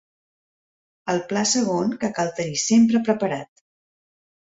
El pla segon que cal tenir sempre preparat.